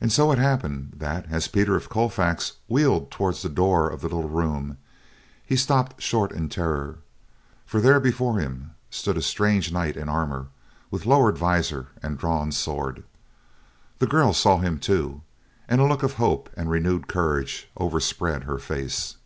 And so it happened that, as Peter of Colfax wheeled toward the door of the little room, he stopped short in terror, for there before him stood a strange knight in armor, with lowered visor and drawn sword. The girl saw him too, and a look of hope and renewed courage overspread her face.